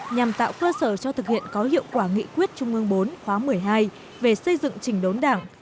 nhằm tạo cơ sở cho thực hiện có hiệu quả nghị quyết trung ương bốn khóa một mươi hai về xây dựng trình đốn đảng